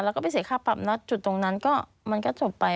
แล้วก็ไปเสียค่าปรับนะจุดตรงนั้นก็มันก็จบไป